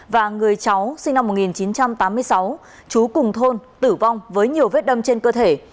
và người cháu sinh năm một nghìn chín trăm tám mươi sáu chú cùng thôn tử vong với nhiều vết đâm trên cơ thể